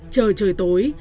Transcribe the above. chờ trời tối